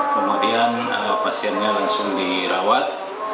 kemudian pasiennya langsung dirawat